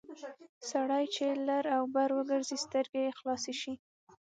سړی چې لر او بر وګرځي سترګې یې خلاصې شي...